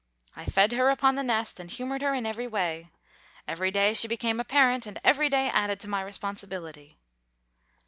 I fed her upon the nest and humored her in every way. Every day she became a parent, and every day added to my responsibility.